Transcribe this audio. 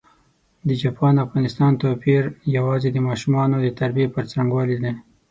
د چاپان او افغانستان توپېر یوازي د ماشومانو د تربیې پر ځرنګوالي دی.